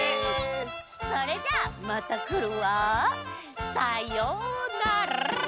それじゃあまたくるわ。さようなら！